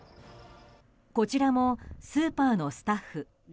こちらもスーパーのスタッフ。